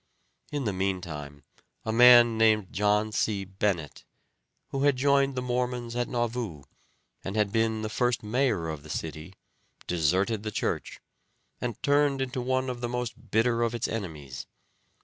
In the meantime a man named John C. Bennett, who had joined the Mormons at Nauvoo, and had been the first mayor of the city, deserted the church, and turned into one of the most bitter of its enemies.